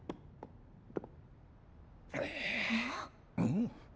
ん？